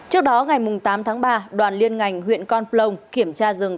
trước đó ngày tám tháng ba đoàn liên ngành huyện con plong kiểm tra rừng